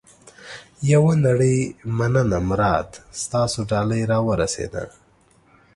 یوه نړۍ مننه مراد. ستاسو ډالۍ را ورسېده.